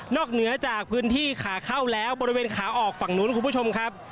เหนือจากพื้นที่ขาเข้าแล้วบริเวณขาออกฝั่งนู้นคุณผู้ชมครับ